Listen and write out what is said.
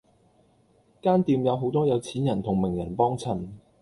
間店有好多有錢人同名人幫襯